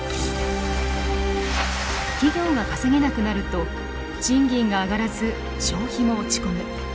企業が稼げなくなると賃金が上がらず消費も落ち込む。